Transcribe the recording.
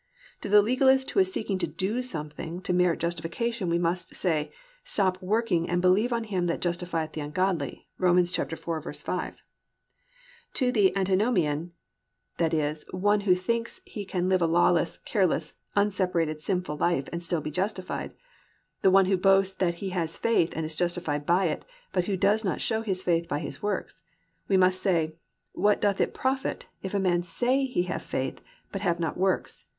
To the legalist who is seeking to do something to merit justification we must say, +"Stop working and believe on Him that justifieth the ungodly"+ (Rom. 4:5). To the antinomian, i.e., to the one who thinks he can live a lawless, careless, unseparated, sinful life and still be justified, the one who boasts that he has faith and is justified by it, but who does not show his faith by his works, we must say, "What doth it profit, if a man say he have faith, but have not works?